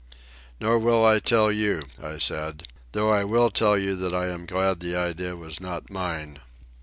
"Nor will I tell you," I said. "Though I will tell you that I am glad the idea was not mine."